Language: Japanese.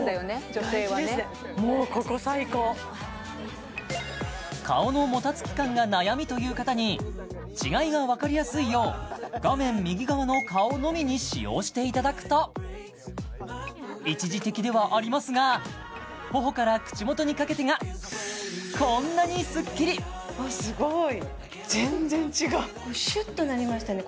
女性はね顔のもたつき感が悩みという方に違いがわかりやすいよう画面右側の顔のみに使用していただくと一時的ではありますが頬から口元にかけてがこんなにスッキリすごい全然違うシュッとなりましたね